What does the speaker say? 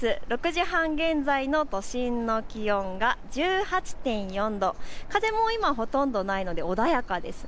６時半現在の都心の気温が１８．４度、風も今、ほとんどないので穏やかです。